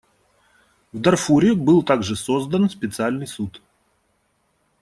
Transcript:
В Дарфуре был также создан специальный суд.